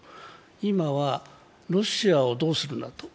今はロシアをどうするのかと。